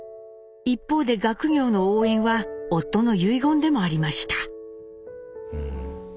一方で学業の応援は夫の遺言でもありました。